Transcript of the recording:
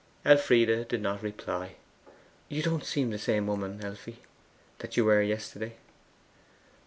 Elfride did not reply. 'You don't seem the same woman, Elfie, that you were yesterday.